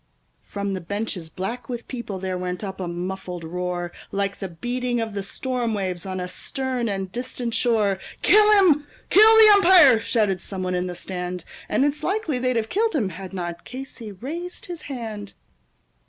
From the benches, black with people, there went up a muffled roar, Like the beating of the storm waves on a stern and distant shore; "Kill him! Kill the umpire!" shouted some one in the stand. And it's likely they'd have killed him had not Casey raised his hand.